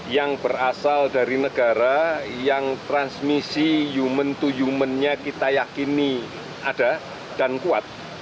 yang berasal dari negara yang transmisi human to human nya kita yakini ada dan kuat